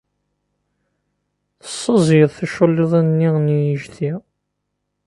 Tessaẓyeḍ ticulliḍin-nni n yejdi.